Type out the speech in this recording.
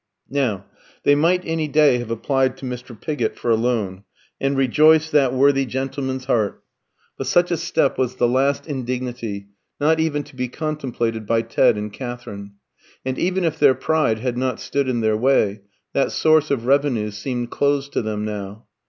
Now, they might any day have applied to Mr. Pigott for a loan, and rejoiced that worthy gentleman's heart; but such a step was the last indignity, not even to be contemplated by Ted and Katherine. And even if their pride had not stood in their way, that source of revenue seemed closed to them now.